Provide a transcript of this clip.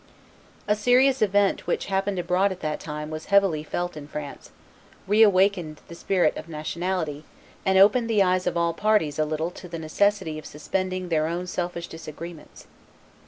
A serious event which happened abroad at that time was heavily felt in France, reawakened the spirit of nationality, and opened the eyes of all parties a little to the necessity of suspending their own selfish disagreements.